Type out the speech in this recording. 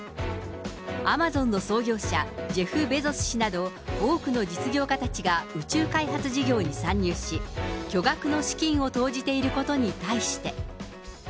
アマゾンの創業者、ジェフ・ベゾス氏など多くの実業家たちが宇宙開発事業に参入し、巨額の資金を投じていることに対して。